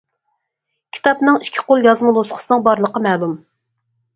كىتابنىڭ ئىككى قول يازما نۇسخىسىنىڭ بارلىقى مەلۇم.